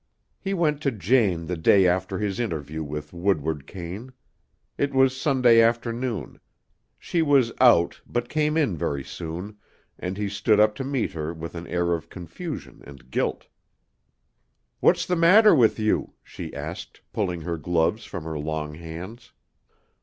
He went to Jane the day after his interview with Woodward Kane. It was Sunday afternoon. She was out, but came in very soon, and he stood up to meet her with an air of confusion and guilt. "What's the matter with you?" she asked, pulling her gloves from her long hands.